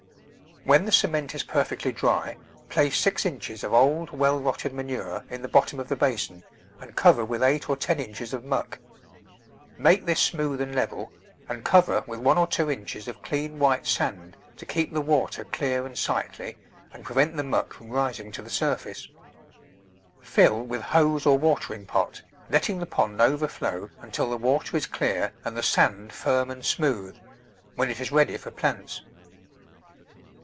When the cement is perfectly dry, place six inches of old, well rotted manure in the bottom of the basin, and cover with eight or ten inches of muck. Make this smooth and level, and cover with one or two inches of clean white sand to keep the water clear and sightly and prevent the muck from rising to the surface. Fill with hose or watering pot, letting the pond overflow until the water is clear and the sand firm and smooth, when it is ready for plants.